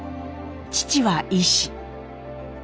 父は医師。